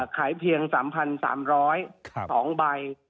ขายเพียง๓๓๐๐สองใบ